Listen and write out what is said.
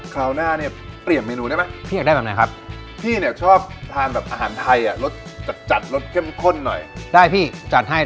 คราวหน้าเนี่ยเปลี่ยนเมนูได้ไหมพี่อยากได้แบบไหนครับพี่เนี่ยชอบทานแบบอาหารไทยอ่ะรสจัดจัดรสเข้มข้นหน่อยได้พี่จัดให้